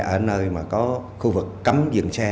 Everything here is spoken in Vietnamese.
ở nơi mà có khu vực cấm dừng xe